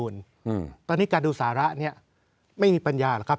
ตอนนี้การดูสาระเนี่ยไม่มีปัญญาหรอกครับ